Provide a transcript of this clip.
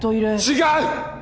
違う！